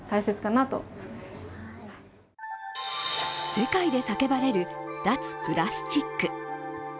世界で叫ばれる脱プラスチック。